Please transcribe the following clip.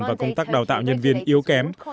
và công tác đào tạo nhân viên yếu kém